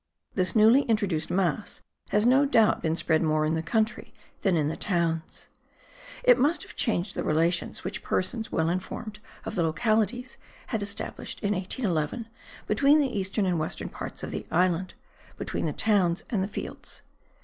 This newly introduced mass has no doubt been spread more in the country than in the towns; it must have changed the relations which persons well informed of the localities had established in 1811, between the eastern and western parts of the island, between the towns and the fields.